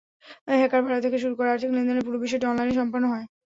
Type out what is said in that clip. Hacker ভাড়া থেকে শুরু করে আর্থিক লেনদেনের পুরো বিষয়টি অনলাইনে সম্পন্ন হয়।